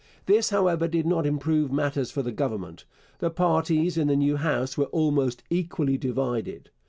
This, however, did not improve matters for the Government. The parties in the new House were almost equally divided.